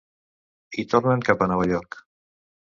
I tornen cap a Nova York.